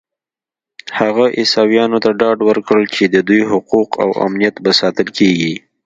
هغه عیسویانو ته ډاډ ورکړ چې د دوی حقوق او امنیت به ساتل کېږي.